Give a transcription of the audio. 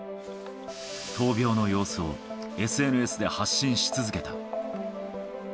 闘病の様子をＳＮＳで発信し続けた。